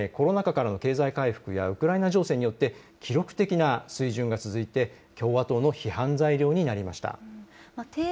インフレはコロナ禍からの経済回復やウクライナ情勢によって記録的な水準が続いて共和党の批判材料になりました。